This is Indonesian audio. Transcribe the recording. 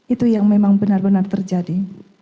itu yang memang benar benar terjadi